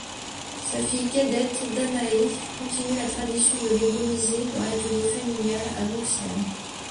Sa fille cadette, Danaë, continue la tradition de l'églomisé, dans l'atelier familial à Bruxelles.